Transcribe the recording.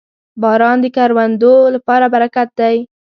• باران د کروندو لپاره برکت دی.